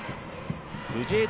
藤枝